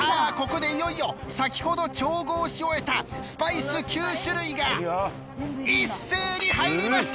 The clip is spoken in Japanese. ここでいよいよ先ほど調合し終えたスパイス９種類が一斉に入りました！